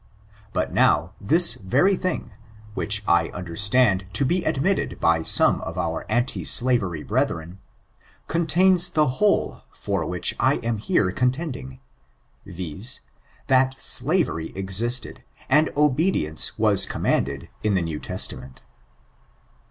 But now, tins very thing, which I understand to be admitted by some of our anti slavery brethren, contains the whole for whidi I am here contending, viz: that slavery existed, and obedience was commanded, iti the New Testament.